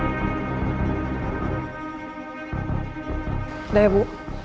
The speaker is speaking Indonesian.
udah ya bu